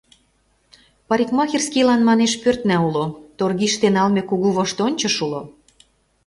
Парикмахерскийлан, манеш, пӧртна уло; торгиште налме кугу воштончыш уло.